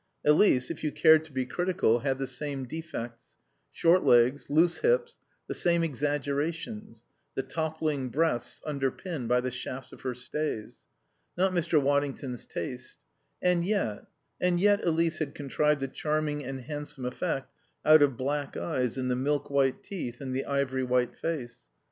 Elise, if you cared to be critical, had the same defects: short legs, loose hips; the same exaggerations: the toppling breasts underpinned by the shafts of her stays. Not Mr. Waddington's taste. And yet and yet Elise had contrived a charming and handsome effect out of black eyes and the milk white teeth in the ivory white face.